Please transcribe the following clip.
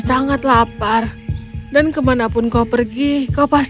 menawarkan pohon investasi